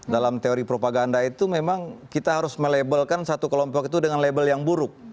dalam teori propaganda itu memang kita harus melabelkan satu kelompok itu dengan label yang buruk